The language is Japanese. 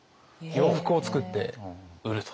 洋服を作って売ると。